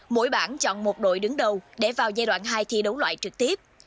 mỗi bảng chọn một đội đứng đầu để vào giai đoạn hai thi đấu loại trực tiếp